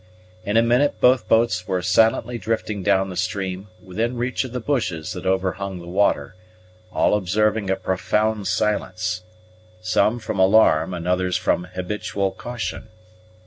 In a minute both boats were silently drifting down the stream, within reach of the bushes that overhung the water, all observing a profound silence; some from alarm, and others from habitual caution.